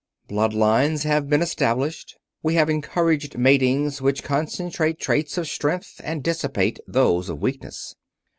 Blood lines have been established. We have encouraged matings which concentrate traits of strength and dissipate those of weakness.